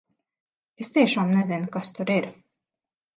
Es tiešām nezinu, kas tur ir!